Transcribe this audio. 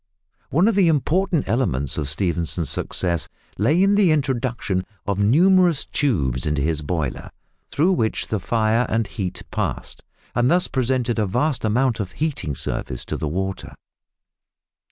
One of the important elements of Stephenson's success lay in the introduction of numerous tubes into his boiler, through which the fire, and heat passed, and thus presented a vast amount of heating surface to the water.